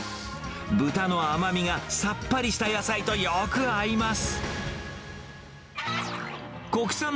豚の甘みがさっぱりした野菜とよく合います。